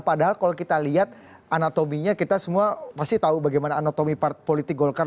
padahal kalau kita lihat anatominya kita semua pasti tahu bagaimana anatomi part politik golkar dua ribu dua puluh